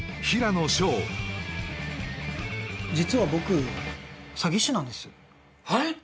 実は僕詐欺師なんですはい！？